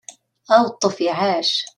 Aweṭṭuf iεac!